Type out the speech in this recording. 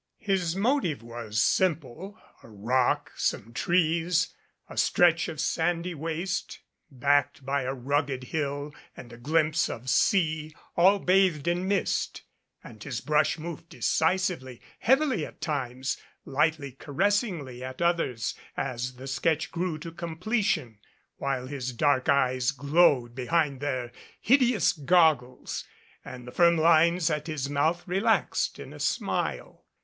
His motive was simple a rock, some trees, a stretch of sandy waste, backed by a rugged hill and a glimpse of sea, all bathed in mist; and his brush moved decisively, heavily at times, lightly, caressingly at others as the sketch grew to completion, while his dark eyes glowed behind their hideous goggles, and the firm lines at his mouth relaxed in a smile.